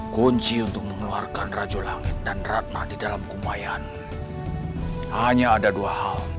kunci untuk mengeluarkan rajo langit dan ratna di dalam kumayan hanya ada dua hal